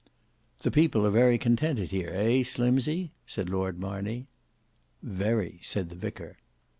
"The people are very contented here, eh Slimsey?" said Lord Marney. "Very," said the vicar.